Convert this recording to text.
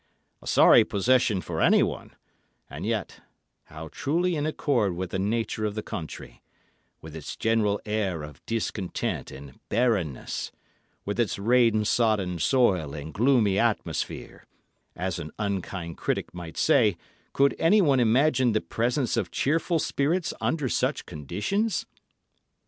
A sorry possession for anyone; and yet, how truly in accord with the nature of the country—with its general air of discontent and barrenness, with its rain sodden soil and gloomy atmosphere—as an unkind critic might say, could anyone imagine the presence of cheerful spirits under such conditions?